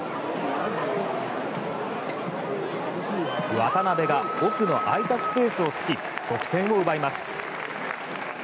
渡辺が奥の空いたスペースを突き得点を奪います。